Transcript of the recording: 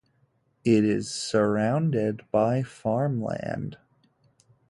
It is surrounded by farmland.